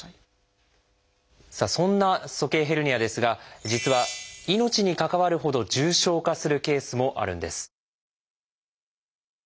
さあそんな鼠径ヘルニアですが実は命に関わるほど重症化するケースもあるんです。